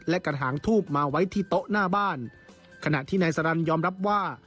และกระถางทูบมาไว้ที่โต๊ะหน้าบ้านขณะที่นายสรรยอมรับว่า